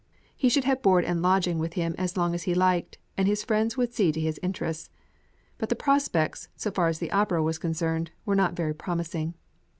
He should have board and lodging with him as long as he liked, and his friends would see to his interests. But the prospects, so far as the opera was concerned, were not very promising.